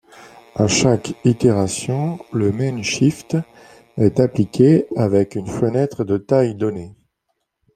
À chaque itération, le mean shift est appliqué avec une fenêtre de taille donnée.